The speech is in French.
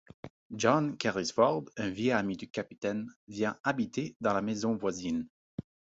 John Carrisford, un vieil ami du Capitaine, vient habiter dans la maison voisine.